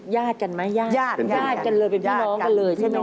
ญาติกันไหมญาติมี